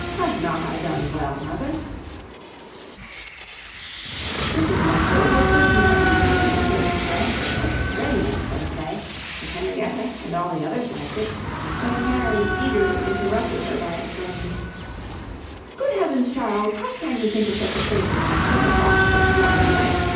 Have not I done well, mother?" Mrs Musgrove was good humouredly beginning to express her perfect readiness for the play, if Henrietta and all the others liked it, when Mary eagerly interrupted her by exclaiming— "Good heavens, Charles! how can you think of such a thing? Take a box for to morrow night!